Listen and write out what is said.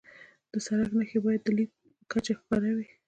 د سړک نښې باید د لید په کچه ښکاره وي.